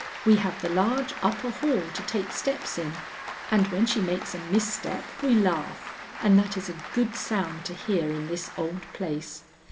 We have the large upper hall to take steps in, and when she makes a misstep we laugh, and that is a good sound to hear in this old place.